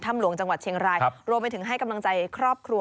หลวงจังหวัดเชียงรายรวมไปถึงให้กำลังใจครอบครัว